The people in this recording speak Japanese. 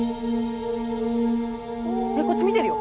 こっち見てるよ。